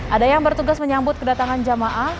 ada yang bertugas menyambut kedatangan jamaah